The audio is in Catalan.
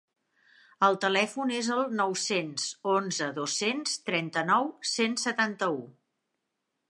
El telèfon és el nou-cents onze dos-cents trenta-nou cent setanta-u.